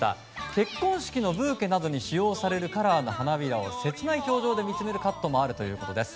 結婚式のブーケなどに使用されるカラーの花びらを切ない表情で見つめるカットもあるそうです。